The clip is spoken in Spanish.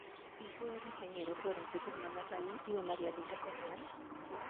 Hijo del ingeniero Florencio Guzmán Larraín y de María Luisa Correa.